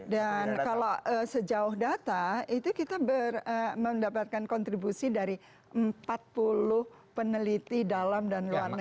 dan kalau sejauh data itu kita mendapatkan kontribusi dari empat puluh peneliti dalam dan luar negeri